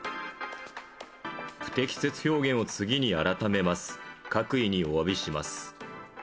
不適切表現を次に改めます。